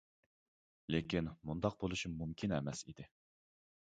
لېكىن مۇنداق بولۇشى مۇمكىن ئەمەس ئىدى.